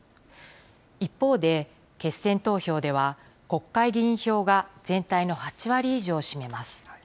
一方で、決選投票では国会議員票が全体の８割以上を占めます。